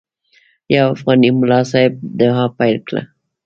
یو افغاني ملا صاحب دعا پیل کړه.